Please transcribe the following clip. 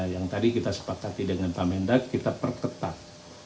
yang tadi kita sepakati dengan pamendak kita perketah